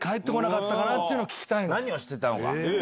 何をしてたのか。